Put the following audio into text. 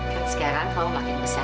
kan sekarang mau makin besar